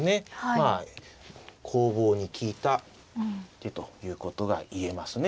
まあ攻防に利いた手ということが言えますね。